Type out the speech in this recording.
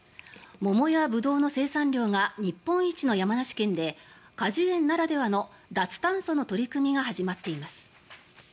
桃やブドウの生産量が日本一の山梨県で果樹園ならではの脱炭素の取り組みが始まっています。